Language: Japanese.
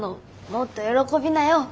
もっと喜びなよ。